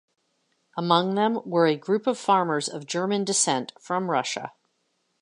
Among them were a group of farmers of German descent from Russia.